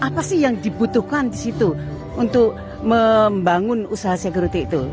apa sih yang dibutuhkan di situ untuk membangun usaha segerutik itu